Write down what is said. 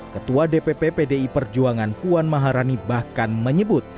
ketua dpp pdi perjuangan puan maharani bahkan menyebut